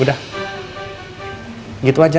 udah gitu aja